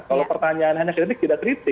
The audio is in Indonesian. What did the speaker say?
kalau pertanyaannya hanya sedikit tidak terlitu